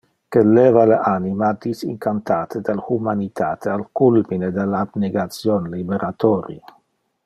Que leva le anima disincantate del humanitate al culmine del abnegation liberatori.